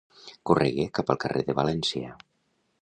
Corregué cap al carrer de València.